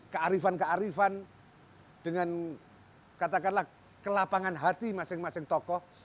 kearifan kearifan dengan katakanlah kelapangan hati masing masing tokoh